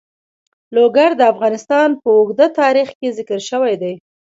لوگر د افغانستان په اوږده تاریخ کې ذکر شوی دی.